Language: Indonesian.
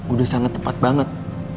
udah sangat tepat banget